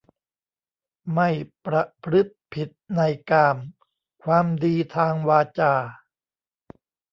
ไม่ประพฤติผิดในกาม ความดีทางวาจา